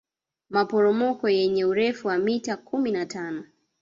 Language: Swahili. maporomoko yenye urefu wa mita kumi na tano